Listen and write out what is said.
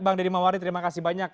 bang deddy mawari terima kasih banyak